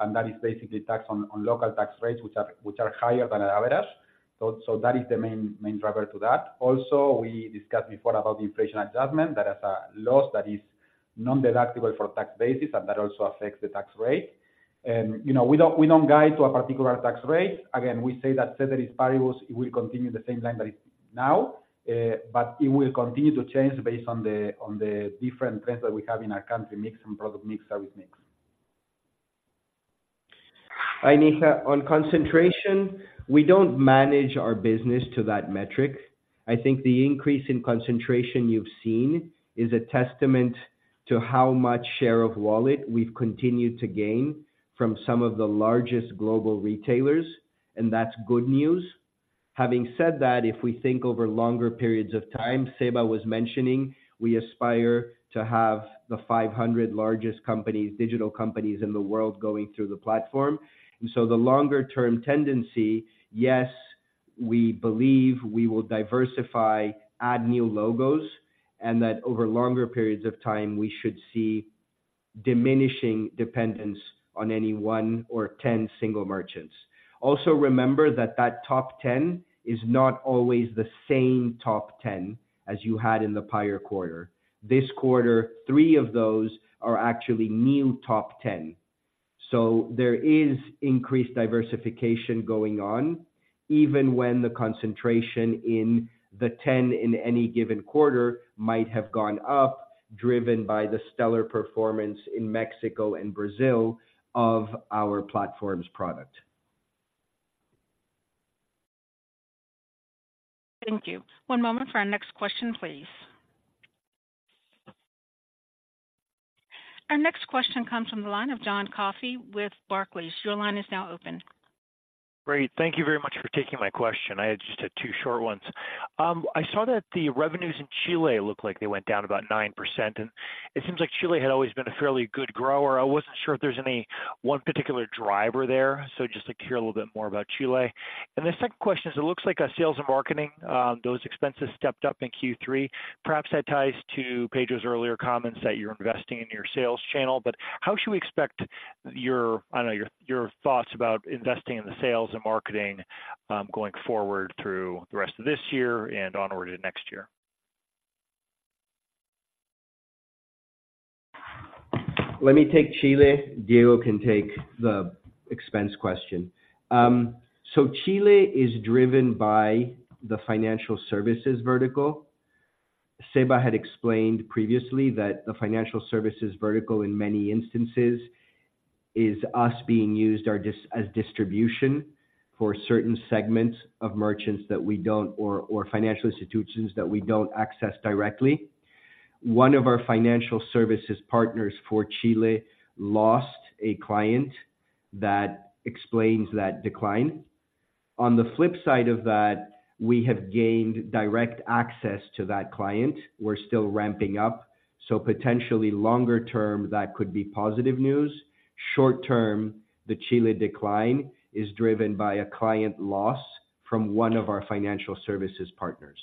and that is basically tax on local tax rates, which are higher than an average. So that is the main driver to that. Also, we discussed before about the inflation adjustment. That is a loss that is non-deductible for tax basis, and that also affects the tax rate. You know, we don't guide to a particular tax rate. Again, we say that said there is variables, it will continue the same line that is now, but it will continue to change based on the different trends that we have in our country mix and product mix, service mix. Hi, Neha. On concentration, we don't manage our business to that metric. I think the increase in concentration you've seen is a testament to how much share of wallet we've continued to gain from some of the largest global retailers, and that's good news... Having said that, if we think over longer periods of time, Seba was mentioning we aspire to have the 500 largest companies, digital companies in the world going through the platform. And so the longer term tendency, yes, we believe we will diversify, add new logos, and that over longer periods of time, we should see diminishing dependence on any one or 10 single merchants. Also, remember that that top 10 is not always the same top 10 as you had in the prior quarter. This quarter, three of those are actually new top 10. There is increased diversification going on, even when the concentration in the ten in any given quarter might have gone up, driven by the stellar performance in Mexico and Brazil of our platforms product. Thank you. One moment for our next question, please. Our next question comes from the line of John Coffey with Barclays. Your line is now open. Great. Thank you very much for taking my question. I just had two short ones. I saw that the revenues in Chile looked like they went down about 9%, and it seems like Chile had always been a fairly good grower. I wasn't sure if there's any one particular driver there, so just to hear a little bit more about Chile. And the second question is, it looks like sales and marketing those expenses stepped up in Q3. Perhaps that ties to Pedro's earlier comments that you're investing in your sales channel. But how should we expect your... I don't know, your, your thoughts about investing in the sales and marketing going forward through the rest of this year and onward to next year? Let me take Chile. Diego can take the expense question. So Chile is driven by the financial services vertical. Seba had explained previously that the financial services vertical, in many instances, is us being used as distribution for certain segments of merchants that we don't or financial institutions that we don't access directly. One of our financial services partners for Chile lost a client. That explains that decline. On the flip side of that, we have gained direct access to that client. We're still ramping up, so potentially longer term, that could be positive news. Short term, the Chile decline is driven by a client loss from one of our financial services partners.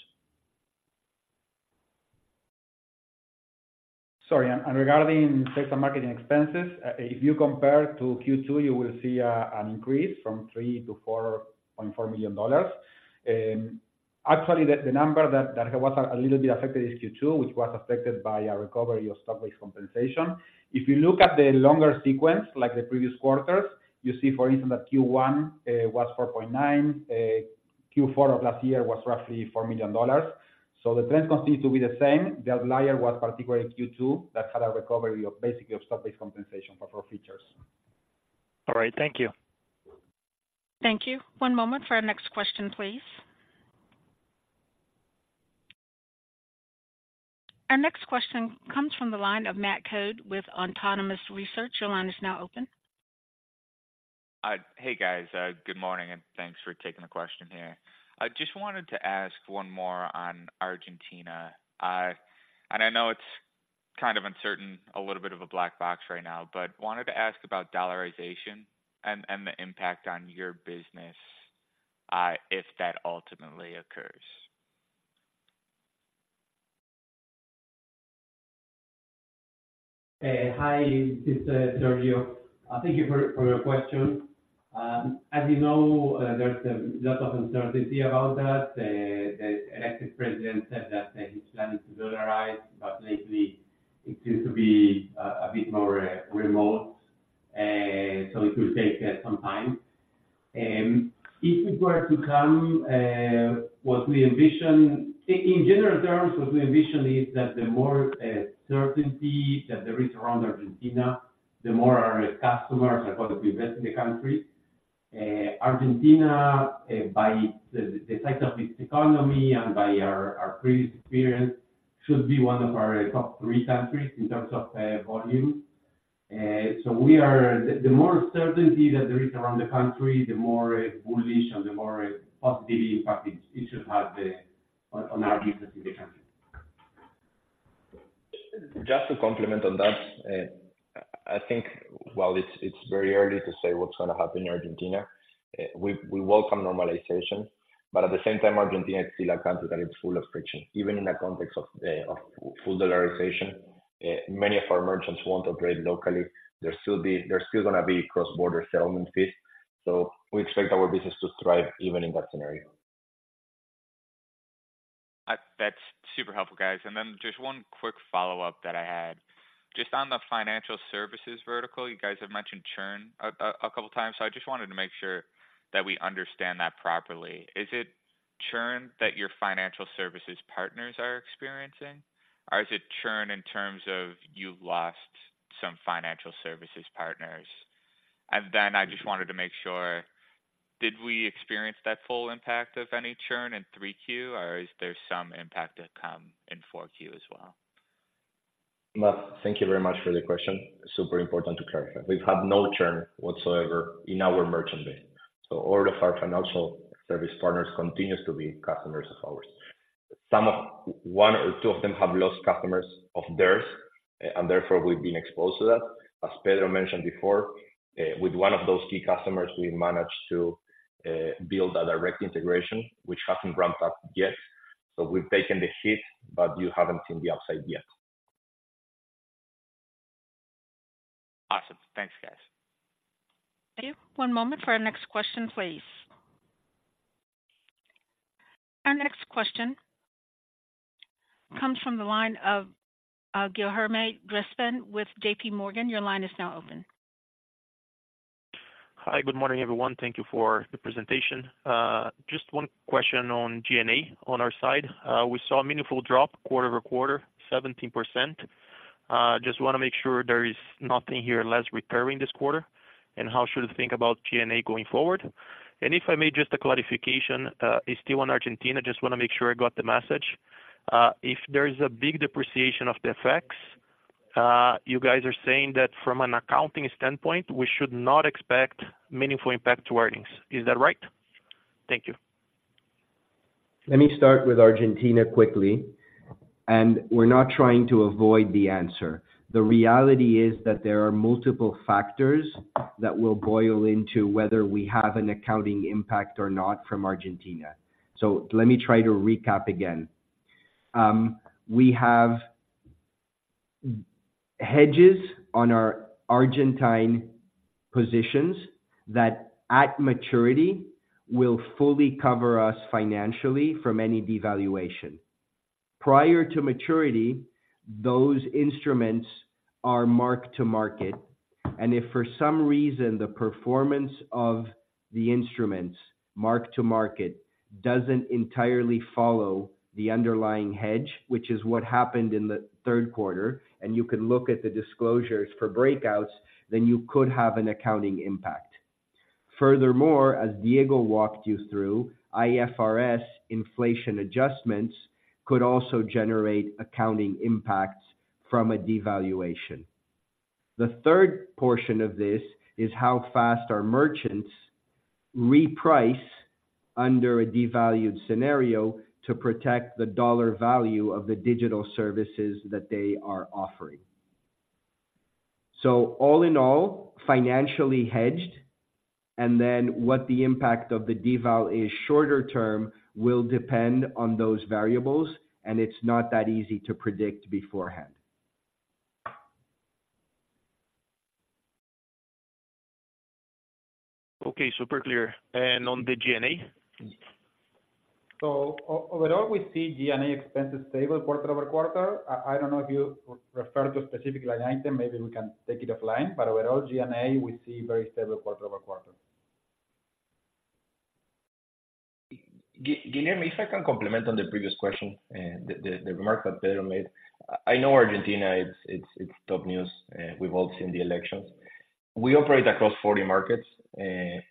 Sorry, regarding sales and marketing expenses, if you compare to Q2, you will see an increase from $3 million to $4.4 million. Actually, the number that was a little bit affected is Q2, which was affected by a recovery of stock-based compensation. If you look at the longer sequence, like the previous quarters, you see, for instance, that Q1 was $4.9 million. Q4 of last year was roughly $4 million. So the trend continues to be the same. The outlier was particularly Q2. That had a recovery basically of stock-based compensation for features. All right. Thank you. Thank you. One moment for our next question, please. Our next question comes from the line of Matt Coad with Autonomous Research. Your line is now open. Hey, guys, good morning, and thanks for taking the question here. I just wanted to ask one more on Argentina. I know it's kind of uncertain, a little bit of a black box right now, but wanted to ask about dollarization and the impact on your business, if that ultimately occurs. Hi, this is Sergio. Thank you for your question. As you know, there's a lot of uncertainty about that. The elected president said that he plans to dollarize, but lately it seems to be a bit more remote, so it will take some time. If it were to come, what we envision, in general terms, what we envision is that the more certainty that there is around Argentina, the more our customers are going to be investing in the country. Argentina, by the size of its economy and by our previous experience, should be one of our top three countries in terms of volume. So we are... The more certainty that there is around the country, the more bullish and the more positive impact it should have on our business in the country. Just to complement on that, I think while it's very early to say what's going to happen in Argentina, we welcome normalization. But at the same time, Argentina is still a country that is full of friction. Even in the context of full dollarization, many of our merchants want to operate locally. There's still gonna be cross-border settlement fees. So we expect our business to thrive even in that scenario. That's super helpful, guys. And then just one quick follow-up that I had. Just on the financial services vertical, you guys have mentioned churn a couple times. So I just wanted to make sure that we understand that properly. Is it churn that your financial services partners are experiencing, or is it churn in terms of you've lost some financial services partners? And then I just wanted to make sure, did we experience that full impact of any churn in 3Q, or is there some impact to come in 4Q as well? ... Matt, thank you very much for the question. Super important to clarify. We've had no churn whatsoever in our merchant base, so all of our financial service partners continues to be customers of ours. Some of—one or two of them have lost customers of theirs, and therefore, we've been exposed to that. As Pedro mentioned before, with one of those key customers, we managed to build a direct integration, which hasn't ramped up yet. So we've taken the hit, but you haven't seen the upside yet. Awesome. Thanks, guys. Thank you. One moment for our next question, please. Our next question comes from the line of Guilherme Grespan with JP Morgan. Your line is now open. Hi. Good morning, everyone. Thank you for the presentation. Just one question on G&A. On our side, we saw a meaningful drop quarter-over-quarter, 17%. Just wanna make sure there is nothing here less recurring this quarter, and how should we think about G&A going forward? And if I may, just a clarification, still on Argentina, just wanna make sure I got the message. If there is a big depreciation of the FX, you guys are saying that from an accounting standpoint, we should not expect meaningful impact to earnings. Is that right? Thank you. Let me start with Argentina quickly, and we're not trying to avoid the answer. The reality is that there are multiple factors that will boil into whether we have an accounting impact or not from Argentina. So let me try to recap again. We have hedges on our Argentine positions that, at maturity, will fully cover us financially from any devaluation. Prior to maturity, those instruments are marked to market, and if for some reason, the performance of the instruments marked to market doesn't entirely follow the underlying hedge, which is what happened in the third quarter, and you can look at the disclosures for breakouts, then you could have an accounting impact. Furthermore, as Diego walked you through, IFRS inflation adjustments could also generate accounting impacts from a devaluation. The third portion of this is how fast our merchants reprice under a devalued scenario to protect the dollar value of the digital services that they are offering. All in all, financially hedged, and then what the impact of the deval is shorter term will depend on those variables, and it's not that easy to predict beforehand. Okay, super clear. And on the G&A? So overall, we see G&A expenses stable quarter-over-quarter. I don't know if you refer to a specific line item. Maybe we can take it offline, but overall, G&A, we see very stable quarter-over-quarter. Guilherme, if I can comment on the previous question, the remark that Pedro made. I know Argentina, it's top news, we've all seen the elections. We operate across 40 markets,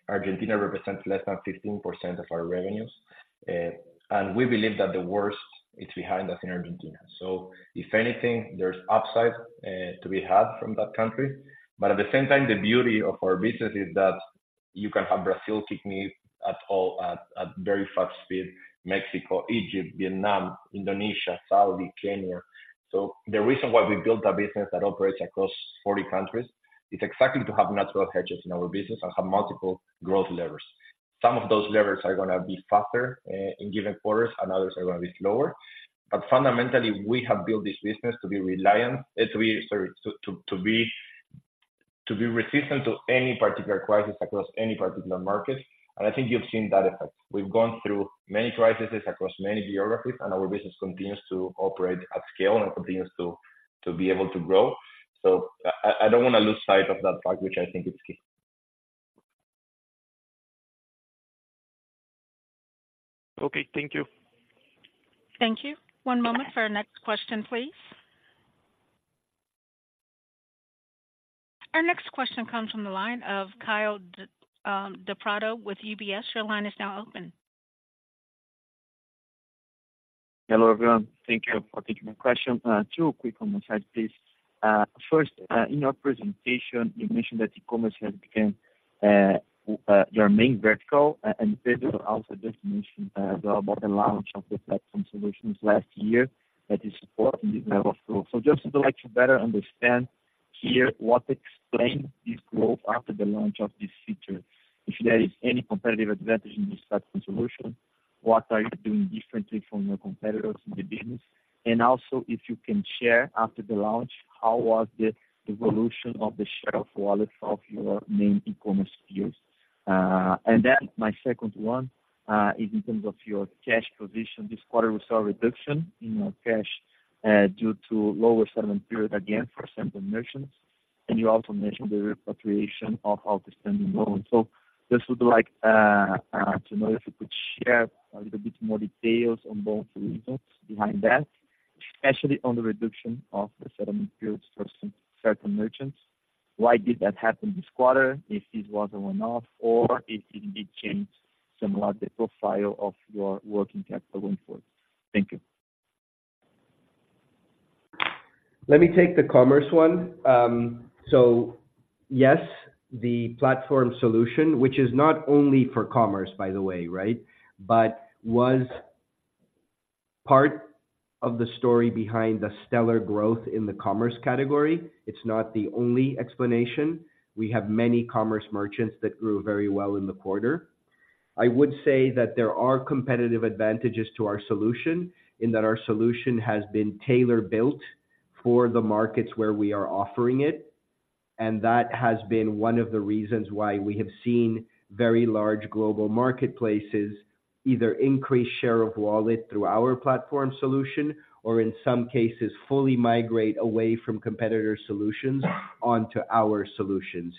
Argentina represents less than 15% of our revenues, and we believe that the worst is behind us in Argentina. So if anything, there's upside to be had from that country. But at the same time, the beauty of our business is that you can have Brazil kicking it all at very fast speed, Mexico, Egypt, Vietnam, Indonesia, Saudi, Kenya. So the reason why we built a business that operates across 40 countries is exactly to have natural hedges in our business and have multiple growth levers. Some of those levers are gonna be faster in given quarters, and others are gonna be slower. But fundamentally, we have built this business to be resistant to any particular crisis across any particular market, and I think you've seen that effect. We've gone through many crises across many geographies, and our business continues to operate at scale and continues to be able to grow. So I don't wanna lose sight of that part, which I think is key. Okay, thank you. Thank you. One moment for our next question, please. Our next question comes from the line of Kaio Da Prato with UBS. Your line is now open. Hello, everyone. Thank you for taking the question. Two quick comments I have, please. First, in your presentation, you mentioned that e-commerce has became your main vertical, and Pedro also just mentioned about the launch of the platform solutions last year that is supporting this level of growth. So just would like to better understand here what explains this growth after the launch of this feature, if there is any competitive advantage in this platform solution, what are you doing differently from your competitors in the business? And also, if you can share, after the launch, how was the evolution of the share of wallet of your main e-commerce peers? And then my second one is in terms of your cash position. This quarter, we saw a reduction in your cash, due to lower settlement period, again, for certain merchants, and you also mentioned the repatriation of outstanding loans. Just would like to know if you could share a little bit more details on both reasons behind that, especially on the reduction of the settlement periods for some certain merchants. Why did that happen this quarter? If this was a one-off or if it indeed changed somewhat the profile of your working capital going forward. Thank you. Let me take the commerce one. So yes, the platform solution, which is not only for commerce, by the way, right? But was part of the story behind the stellar growth in the commerce category. It's not the only explanation. We have many commerce merchants that grew very well in the quarter. I would say that there are competitive advantages to our solution, in that our solution has been tailor-built for the markets where we are offering it, and that has been one of the reasons why we have seen very large global marketplaces, either increase share of wallet through our platform solution, or in some cases, fully migrate away from competitor solutions onto our solutions.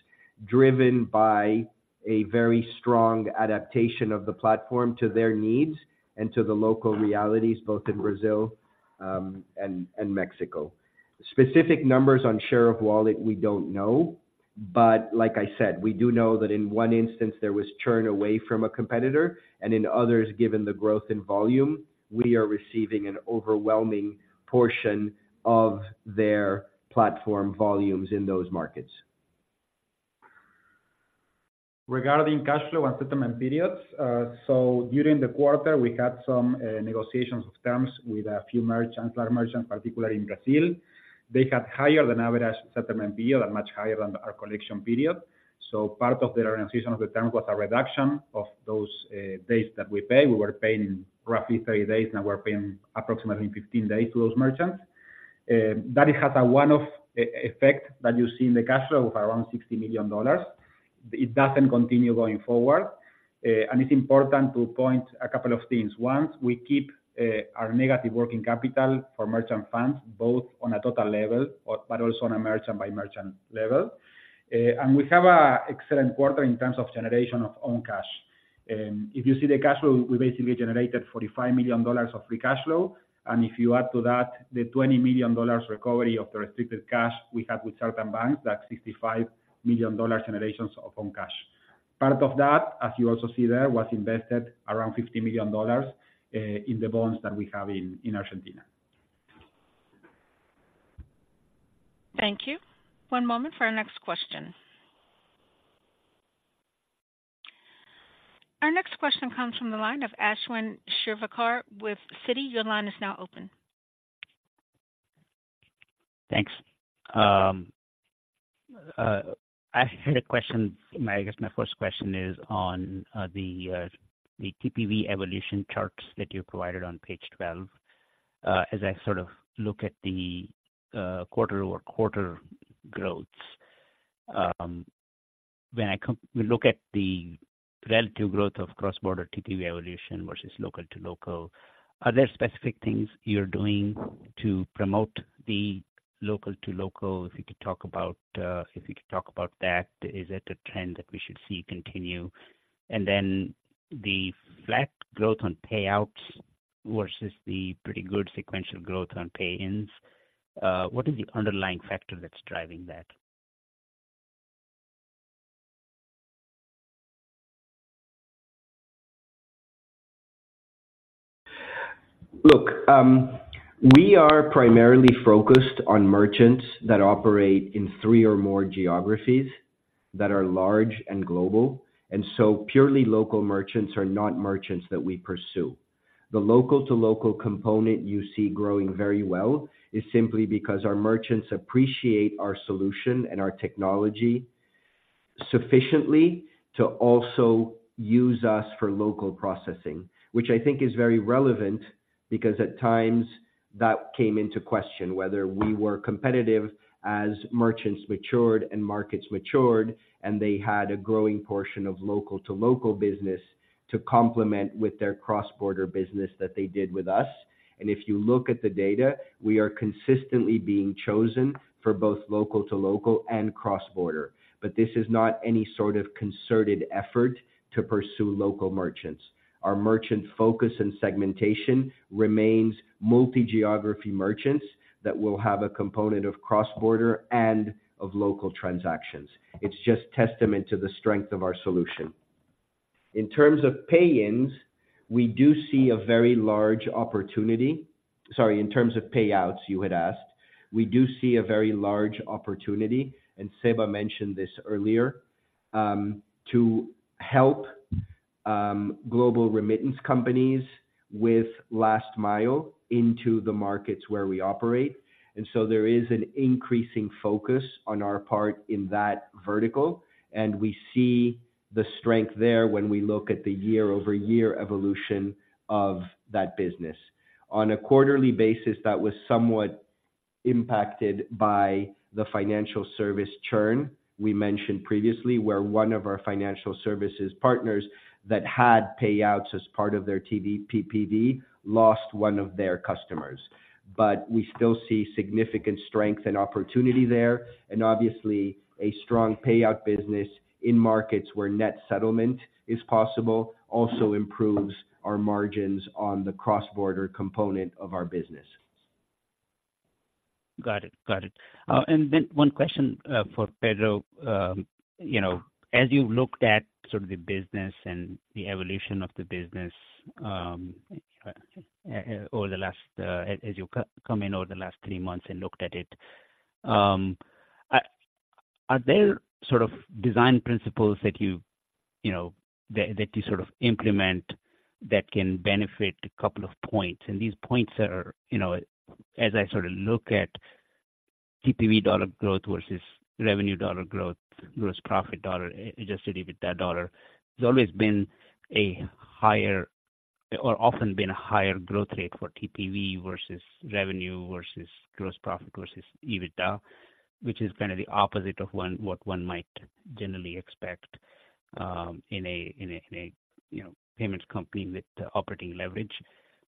Driven by a very strong adaptation of the platform to their needs and to the local realities, both in Brazil and Mexico. Specific numbers on share of wallet, we don't know, but like I said, we do know that in one instance there was churn away from a competitor, and in others, given the growth in volume, we are receiving an overwhelming portion of their platform volumes in those markets. Regarding cash flow and settlement periods, so during the quarter, we had some negotiations of terms with a few merchants, large merchants, particularly in Brazil. They had higher than average settlement period and much higher than our collection period. So part of the renegotiation of the term was a reduction of those days that we pay. We were paying roughly 30 days, now we're paying approximately 15 days to those merchants. That has a one-off effect that you see in the cash flow of around $60 million. It doesn't continue going forward. And it's important to point a couple of things. One, we keep our negative working capital for merchant funds, both on a total level, but also on a merchant-by-merchant level. And we have an excellent quarter in terms of generation of own cash. If you see the cash flow, we basically generated $45 million of free cash flow, and if you add to that, the $20 million recovery of the restricted cash we had with certain banks, that's $65 million generations of own cash. Part of that, as you also see there, was invested around $50 million in the bonds that we have in Argentina. Thank you. One moment for our next question. Our next question comes from the line of Ashwin Shirvaikar with Citi. Your line is now open. Thanks. I had a question. My, I guess my first question is on the TPV evolution charts that you provided on page 12. As I sort of look at the quarter-over-quarter growths, when I look at the relative growth of cross-border TPV evolution versus local-to-local, are there specific things you're doing to promote the local-to-local? If you could talk about that, is that a trend that we should see continue? And then the flat growth on payouts versus the pretty good sequential growth on pay-ins, what is the underlying factor that's driving that? Look, we are primarily focused on merchants that operate in three or more geographies that are large and global, and so purely local merchants are not merchants that we pursue. The local-to-local component you see growing very well is simply because our merchants appreciate our solution and our technology sufficiently to also use us for local processing. Which I think is very relevant because at times that came into question, whether we were competitive as merchants matured and markets matured, and they had a growing portion of local-to-local business to complement with their cross-border business that they did with us. And if you look at the data, we are consistently being chosen for both local to local and cross-border. But this is not any sort of concerted effort to pursue local merchants. Our merchant focus and segmentation remains multi-geography merchants that will have a component of cross-border and of local transactions. It's just testament to the strength of our solution. In terms of pay-ins, we do see a very large opportunity... Sorry, in terms of payouts, you had asked. We do see a very large opportunity, and Seba mentioned this earlier, to help, global remittance companies with last mile into the markets where we operate. And so there is an increasing focus on our part in that vertical, and we see the strength there when we look at the year-over-year evolution of that business. On a quarterly basis, that was somewhat impacted by the financial service churn we mentioned previously, where one of our financial services partners that had payouts as part of their TPV, lost one of their customers. We still see significant strength and opportunity there, and obviously a strong payout business in markets where net settlement is possible, also improves our margins on the cross-border component of our business.... Got it. Got it. And then one question for Pedro. You know, as you've looked at sort of the business and the evolution of the business, over the last, as you've come in over the last three months and looked at it, are there sort of design principles that you know that you sort of implement that can benefit a couple of points? And these points are, you know, as I sort of look at TPV dollar growth versus revenue dollar growth, gross profit dollar, Adjusted EBITDA dollar, there's always been a higher or often been a higher growth rate for TPV versus revenue versus gross profit versus EBITDA, which is kind of the opposite of what one might generally expect in a payments company with operating leverage.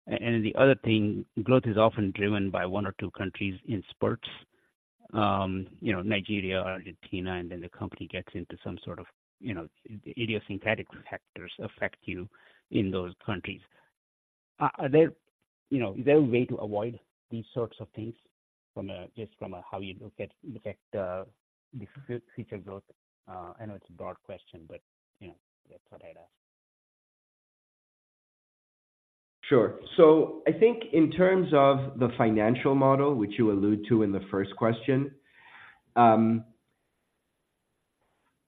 The other thing, growth is often driven by one or two countries in spurts, you know, Nigeria, Argentina, and then the company gets into some sort of, you know, idiosyncratic factors affect you in those countries. Are there... You know, is there a way to avoid these sorts of things from a just from how you look at the future growth? I know it's a broad question, but, you know, that's what I'd ask. Sure. I think in terms of the financial model, which you allude to in the first question,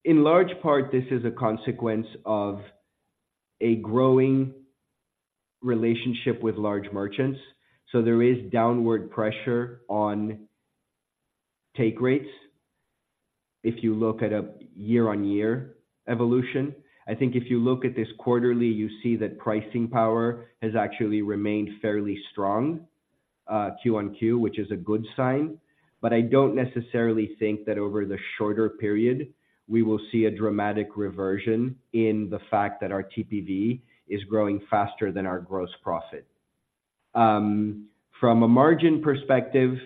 in large part, this is a consequence of a growing relationship with large merchants. There is downward pressure on take rates if you look at a year-on-year evolution. I think if you look at this quarterly, you see that pricing power has actually remained fairly strong, Q on Q, which is a good sign. But I don't necessarily think that over the shorter period, we will see a dramatic reversion in the fact that our TPV is growing faster than our gross profit. From a margin perspective,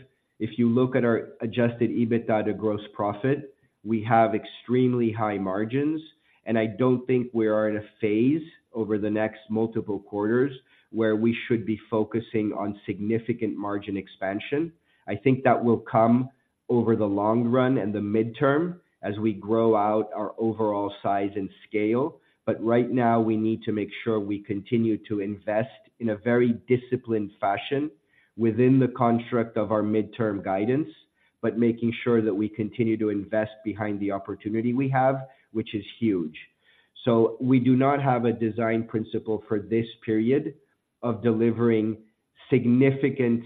if you look at our Adjusted EBITDA to gross profit, we have extremely high margins, and I don't think we are in a phase over the next multiple quarters where we should be focusing on significant margin expansion. I think that will come over the long run and the midterm as we grow out our overall size and scale. But right now, we need to make sure we continue to invest in a very disciplined fashion within the construct of our midterm guidance, but making sure that we continue to invest behind the opportunity we have, which is huge. So we do not have a design principle for this period of delivering significant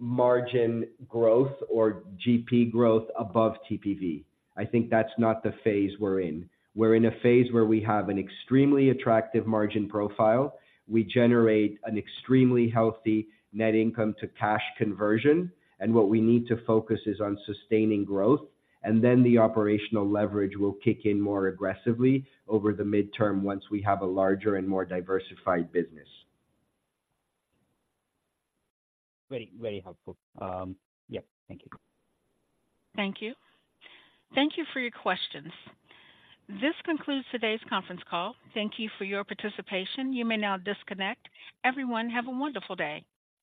margin growth or GP growth above TPV. I think that's not the phase we're in. We're in a phase where we have an extremely attractive margin profile. We generate an extremely healthy net income to cash conversion, and what we need to focus is on sustaining growth, and then the operational leverage will kick in more aggressively over the midterm once we have a larger and more diversified business. Very, very helpful. Yeah. Thank you. Thank you. Thank you for your questions. This concludes today's conference call. Thank you for your participation. You may now disconnect. Everyone, have a wonderful day!